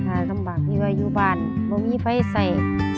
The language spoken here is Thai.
ค่ะสำหรับว่าอยู่บ้านไม่มีไฟใส่